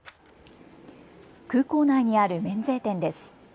空港内にある免税店です。